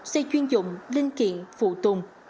xe chuyên dụng linh kiện phụ tùm